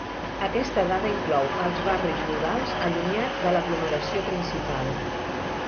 Aquesta dada inclou els barris rurals allunyats de l'aglomeració principal.